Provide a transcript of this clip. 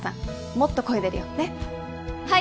もっと声出るよねっはい！